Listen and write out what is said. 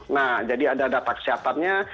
nah jadi ada data kesehatannya